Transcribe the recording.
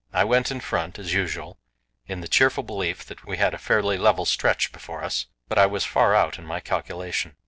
I went in front, as usual, in the cheerful belief that we had a fairly level stretch before us, but I was far out in my calculation.